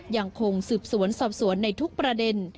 ยังคงสืบสวนสอบสวนในทุกประเด็น